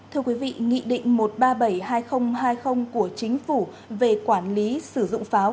thưa quý vị nghị định một trăm ba mươi bảy hai nghìn hai mươi của chính phủ về quản lý sử dụng pháo